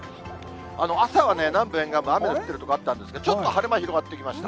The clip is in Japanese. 朝はね、南部沿岸部、雨が降ってる所あったんですけど、ちょっと晴れ間広がってきました。